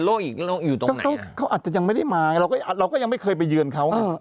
เราอยู่ตรงไหนเขาอาจจะยังไม่ได้มาเราก็ยังไม่เคยไปเยือนเขาไง